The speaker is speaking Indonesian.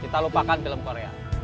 kita lupakan film korea